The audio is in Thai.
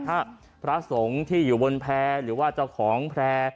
ถ้าพระสงฆ์ที่อยู่บนแพร่หรือว่าเจ้าของแพร่